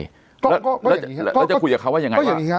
แล้วจะคุยกับเขาว่ายังไง